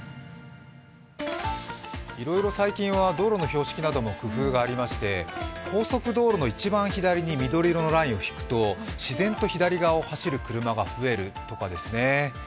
いろいろ最近は道路の標識なども工夫がありまして高速道路の一番左に緑色のラインを引くと自然と左側を走る車が増えるとかですね。